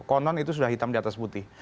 konon itu sudah hitam di atas putih